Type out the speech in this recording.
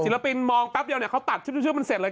ปินมองแป๊บเดียวเนี่ยเขาตัดชื่อมันเสร็จเลย